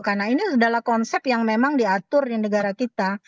karena ini adalah konsep yang memang diatur di negara kita